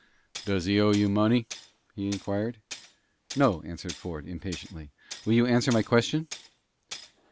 "Does he owe you money?" he inquired. "No," answered Ford, impatiently. "Will you answer my question?"